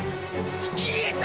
消えた！